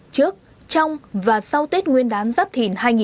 trước trong và sau tết nguyên đán giáp thịnh